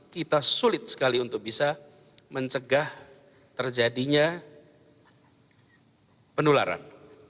kita sulit sekali untuk bisa mencegah terjadinya penularan